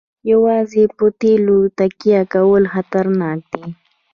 یوازې په تیلو تکیه کول خطرناک دي.